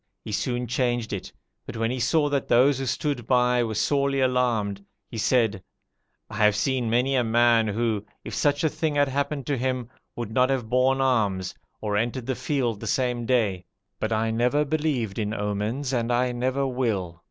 He soon changed it, but when he saw that those who stood by were sorely alarmed, he said, 'I have seen many a man who, if such a thing had happened to him, would not have borne arms, or entered the field the same day; but I never believed in omens, and I never will.